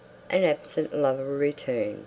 AN ABSENT LOVER RETURNS.